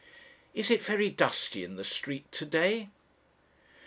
'Is it very dusty in the street to day?'